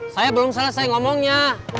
saya belum selesai ngomongnya